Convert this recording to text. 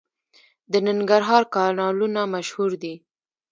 د ننګرهار کانالونه مشهور دي.